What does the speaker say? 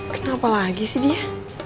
kenapa lagi sih dia